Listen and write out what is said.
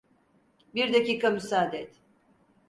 Bir dakika müsaade et.